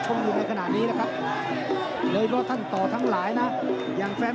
สองโยกเห็นน้ำเงินมาแว๊บ